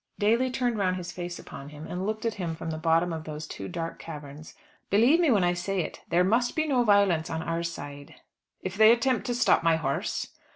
Daly turned round his face upon him, and looked at him from the bottom of those two dark caverns. "Believe me when I say it; there must be no violence on our side." "If they attempt to stop my horse?"